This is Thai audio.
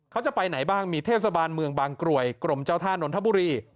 เขาจะไปไหนบ้างมีเทศบาลเมืองบางกรวยกรมเจ้าท่านนทบุรี